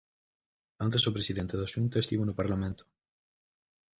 Antes o presidente da Xunta estivo no Parlamento.